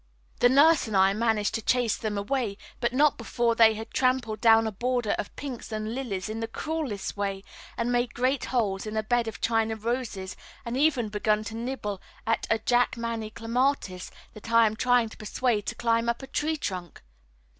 The nurse and I managed to chase them away, but not before they had trampled down a border of pinks and lilies in the cruellest way, and made great holes in a bed of China roses, and even begun to nibble at a Jackmanni clematis that I am trying to persuade to climb up a tree trunk.